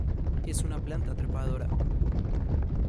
Es una planta trepadora.